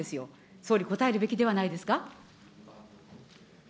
総理、応えるべきではないですか。